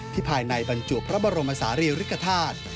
ภายในบรรจุพระบรมศาลีริกฐาตุ